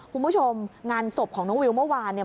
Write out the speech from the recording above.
คุณผู้ชมงานศพของน้องวิวเมื่อวานเนี่ย